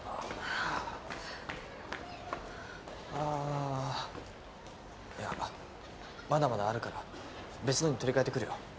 ああーいやまだまだあるから別のに取り替えてくるよ